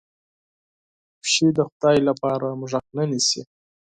پشو د خدای لپاره موږک نه نیسي.